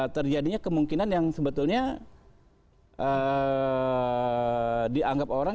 terjadinya kemungkinan yang sebetulnya dianggap orang